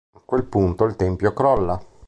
A quel punto, il tempio crolla.